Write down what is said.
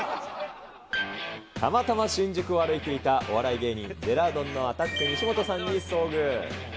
たまたま新宿を歩いていたお笑い芸人、ジェラードンのアタック西本さんに遭遇。